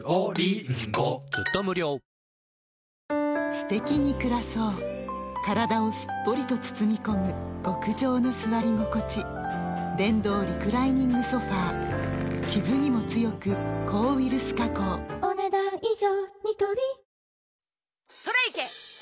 すてきに暮らそう体をすっぽりと包み込む極上の座り心地電動リクライニングソファ傷にも強く抗ウイルス加工お、ねだん以上。